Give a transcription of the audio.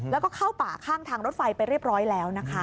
แล้วก็เข้าป่าข้างทางรถไฟไปเรียบร้อยแล้วนะคะ